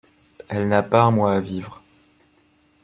Elle n’a pas un mois à vivre.